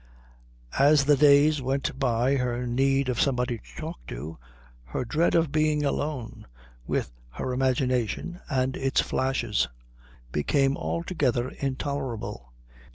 As the days went by her need of somebody to talk to, her dread of being alone with her imagination and its flashes, became altogether intolerable.